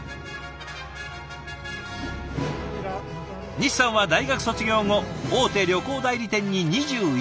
西さんは大学卒業後大手旅行代理店に２１年勤務。